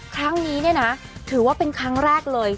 ครั้งนี้เนี่ยนะถือว่าเป็นครั้งแรกเลย